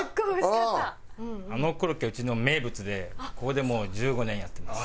あのコロッケはうちの名物でここでもう１５年やってます。